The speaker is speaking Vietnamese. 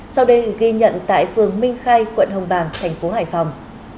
sau đây ghi nhận tại phường minh khay quận hồng bàng thành phố hải phòng